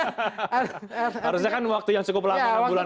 harusnya kan waktu yang cukup lama